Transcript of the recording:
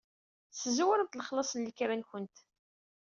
Szewremt lexlaṣ n lekra-nwent.